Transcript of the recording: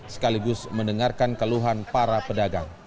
sekaligus mendengarkan keluhan para pedagang